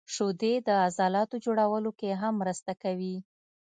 • شیدې د عضلاتو جوړولو کې هم مرسته کوي.